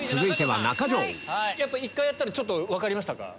１回やったらちょっと分かりましたか？